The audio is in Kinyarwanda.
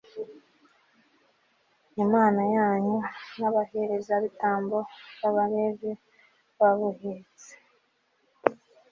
imana yanyu, n'abaherezabitambo b'abalevi babuhetse